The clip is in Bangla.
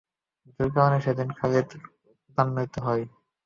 দুই কারণে সেদিন খালিদ ক্রোধান্বিত হয়।